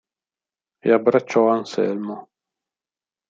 E abbracciò Anselmo.